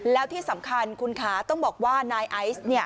แล้วที่สำคัญคุณคะต้องบอกว่านายไอซ์